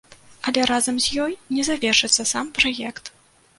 Але разам з ёй не завершыцца сам праект.